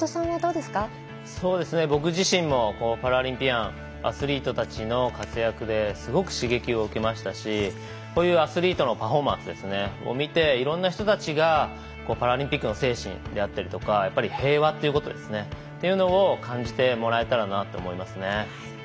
僕自身もアスリートたちの活躍ですごく刺激を受けましたしこういうアスリートのパフォーマンスを見て、いろんな人たちがパラリンピックの精神であったりとかやっぱり平和ということですね。というのを感じてもらえたらなと思いますね。